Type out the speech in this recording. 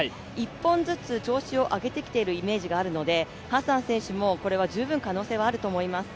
１本ずつ調子を上げてきているイメージもあるのでハッサン選手も、これは十分可能性はあると思います。